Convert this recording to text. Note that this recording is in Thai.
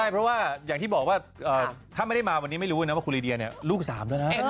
เพราะว่าอย่างที่บอกว่าถ้าไม่ได้มาวันนี้ไม่รู้นะว่าคุณลีเดียเนี่ยลูก๓แล้วนะ